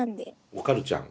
おかるちゃん。